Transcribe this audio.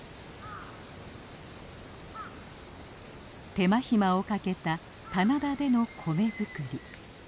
手間暇をかけた棚田での米作り。